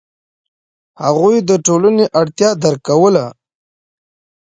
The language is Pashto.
هغوی د ټولنې اړتیا درک کوله.